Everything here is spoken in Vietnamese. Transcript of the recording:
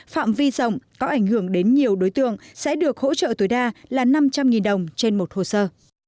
phạm vi rộng có ảnh hưởng đến nhiều đối tượng sẽ được hỗ trợ tối đa là năm trăm linh đồng trên một hồ sơ